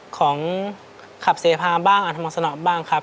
ของขับเสพาบ้างอาธมสนอบ้างครับ